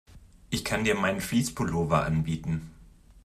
Ich kann dir meinen Fleece-Pullover anbieten.